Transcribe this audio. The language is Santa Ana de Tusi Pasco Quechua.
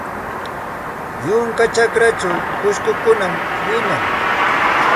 Yunka chakrachaw pushkukunam wiñan.